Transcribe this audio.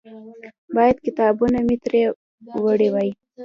باید کتابونه مې ترې وړي وای.